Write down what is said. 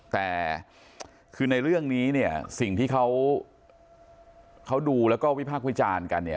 แต่คือในเรื่องนี้เนี่ยสิ่งที่เขาดูแล้วก็วิพากษ์วิจารณ์กันเนี่ย